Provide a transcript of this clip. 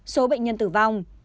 số bệnh nhân tử vong